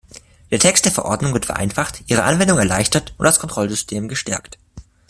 Der Text der Verordnung wird vereinfacht, ihre Anwendung erleichtert und das Kontrollsystem gestärkt.